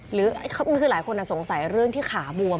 หรือประมาณหลายคนสงสัยเรื่องขาบวม